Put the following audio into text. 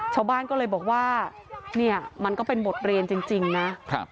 ชาวบ้านก็เลยบอกว่าเนี่ยมันก็เป็นบทเรียนจริงนะครับ